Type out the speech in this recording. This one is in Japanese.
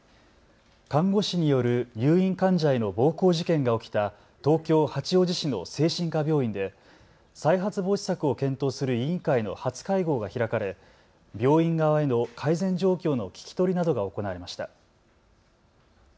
看護師による入院患者への暴行事件が起きた東京八王子市の精神科病院で再発防止策を検討する委員会の初会合が開かれ病院側への改善状況の聞き取りなどが行われました。